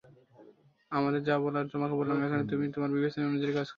আমাদের যা বলার তোমাকে বললাম, এখন তুমি তোমার বিবেচনা অনুযায়ী কাজ করবে।